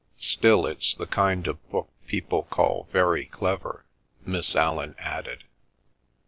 "Still, it's the kind of book people call very clever," Miss Allan added.